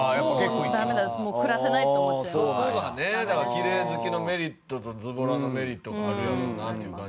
きれい好きのメリットとズボラのメリットがあるやろうなっていう感じ。